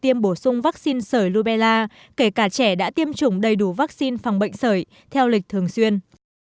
tiêm bổ sung vaccine sởi lubella kể cả trẻ đã tiêm chủng đầy đủ vaccine phòng bệnh sởi theo lịch thường xuyên